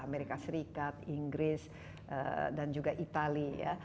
amerika serikat inggris dan juga itali ya